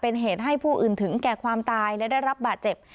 เป็นเหตุให้ผู้อื่นถึงแก่ความตายและได้รับบาดเจ็บ